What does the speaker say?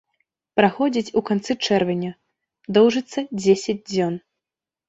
Праходзіць у канцы чэрвеня, доўжыцца дзесяць дзён.